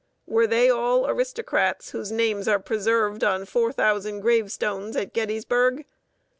Were they all aristocrats whose names are preserved on four thousand gravestones at Gettysburg?